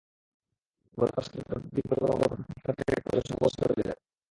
গতকাল সকালে তাদের দুই পরিবারের মধ্যে কথা কাটাকাটির একপর্যায়ে সংঘর্ষ বেধে যায়।